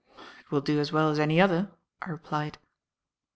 "It will do as well as any other," I replied.